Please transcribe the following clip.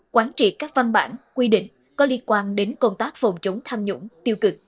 quán trị các văn bản quy định có liên quan đến công tác phòng chống tham nhũng tiêu cực